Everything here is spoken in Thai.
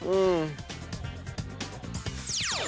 อืม